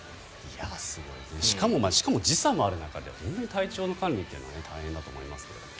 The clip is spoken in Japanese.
しかも時差もある中で体調の管理というのは大変だと思いますが。